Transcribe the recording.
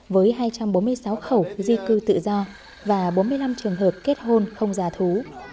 với hai trăm bốn mươi sáu khẩu di cư tự do và bốn mươi năm trường hợp kết hôn không giả thú